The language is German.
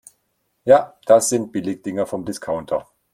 Ja, das sind Billigdinger vom Discounter.